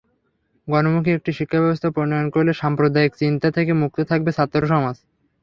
গণমুখী একটি শিক্ষাব্যবস্থা প্রণয়ন করলে সাম্প্রদায়িক চিন্তা থেকে মুক্ত থাকবে ছাত্রসমাজ।